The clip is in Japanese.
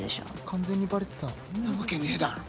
完全にバレてたそんなわけねぇだろ